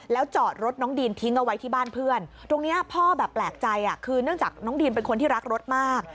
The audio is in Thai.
แล้วจอดรถน้องดีนทิ้งเอาไว้ที่บ้านเพื่อนตรงนี้พ่อแบบแปลกใจคือเนื่องจากน้องดีนเป็นคนที่รักรถมาก